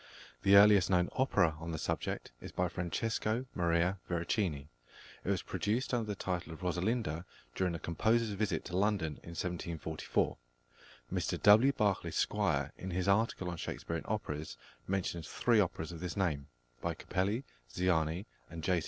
The earliest known opera on the subject is by +Francesco Maria Veracini+. It was produced under the title of Rosalinda during the composer's visit to London in 1744. Mr W. Barclay Squire, in his article on Shakespearian operas, mentions three operas of this name, by Capelli, Ziani, and J.